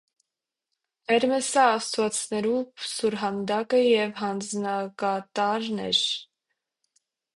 Հերմէսը աստուածներու սուրհանդակը եւ հանձնակատարն էր։